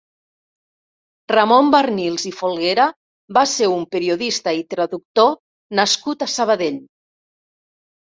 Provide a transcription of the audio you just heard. Ramon Barnils i Folguera va ser un periodista i traductor nascut a Sabadell.